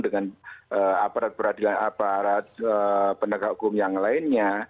dengan aparat aparat pendaka hukum yang lainnya